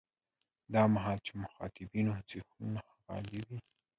دا مهال چې مخاطبانو ذهنونه خالي وي.